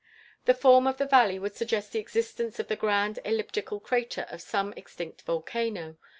The form of the valley would suggest the existence of the grand elliptical crater of some extinct volcano.